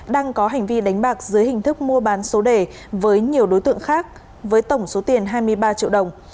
đang có hành vi đánh bạc dưới hình thức mua bán số đề với nhiều đối tượng khác với tổng số tiền hai mươi ba triệu đồng